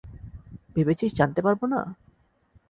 ভেবেছিস, জানতে পারবো না!